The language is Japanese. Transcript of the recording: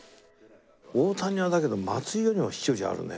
大谷はだけど松井よりも飛距離あるね。